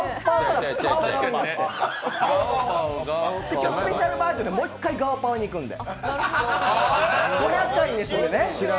今日スペシャルバージョンでもう一回ガオパオにいくんで。